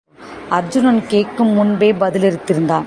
அர்ச்சுனன் கேட்கும்முன்பே பதிலளித்தான்.